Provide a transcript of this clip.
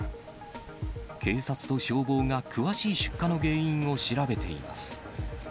警察と消防が詳しい出火の原因を調べています。